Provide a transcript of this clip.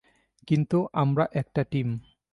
কিন্তু আমরা একটা টিম।